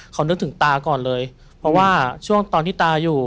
เขานึกถึงตาก่อนเลยเพราะว่าช่วงตอนที่ตาอยู่